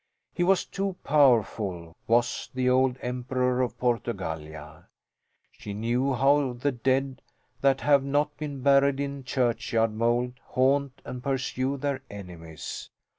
He was too powerful, was the old Emperor of Portugallia! She knew how the dead that have not been buried in churchyard mould haunt and pursue their enemies.